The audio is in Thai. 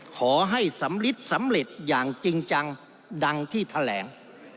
ขอให้สำลิดสำเร็จอย่างจริงจังดังที่แถลง